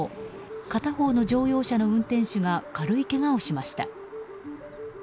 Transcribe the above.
片方の乗用車の運転手が軽いけがをしました。